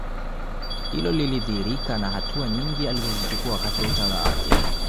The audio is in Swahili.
Hilo lilidhihirika na hatua nyingi alizozichukua wakati wa utawala wake